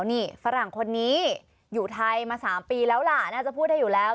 นี่ฝรั่งคนนี้อยู่ไทยมา๓ปีแล้วล่ะน่าจะพูดได้อยู่แล้ว